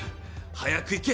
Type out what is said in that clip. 早く行け！